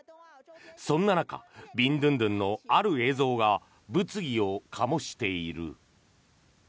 そんな中ビンドゥンドゥンのある映像が物議を醸している。